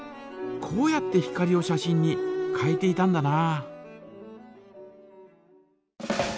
こうやって光を写真に変えていたんだな。